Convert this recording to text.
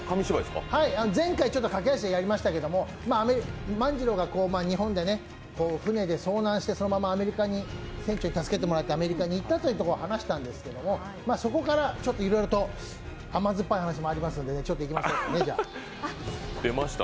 前回、ちょっと駆け足でやりましたけれども、万次郎が日本で船で遭難してそのまま船長に助けてもらってアメリカに行ったと話したんですけどそこからいろいろと甘酸っぱい話もありますので、いきましょうか。